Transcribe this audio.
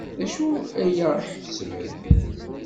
D acu ay aɣ-iḥebsen?